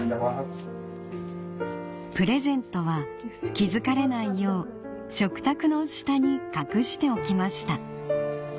プレゼントは気付かれないよう食卓の下に隠しておきました